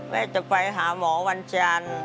จะไปหาหมอวันจันทร์